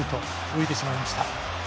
浮いてしまいました。